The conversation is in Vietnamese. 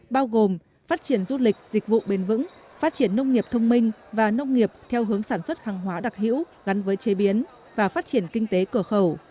bao gồm phát triển du lịch dịch vụ bền vững phát triển nông nghiệp thông minh và nông nghiệp theo hướng sản xuất hàng hóa đặc hữu gắn với chế biến và phát triển kinh tế cửa khẩu